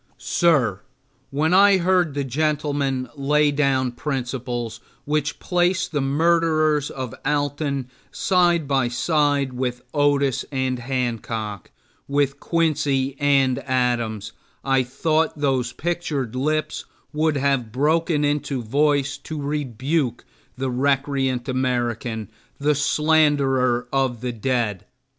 Sir, when I heard the gentleman lay down principles which place the murderers of Alton side by side with Otis and Hancock, with Quincy and Adams, I thought those pictured lips would have broken into voice to rebuke the recreant American, the slanderer of the dead.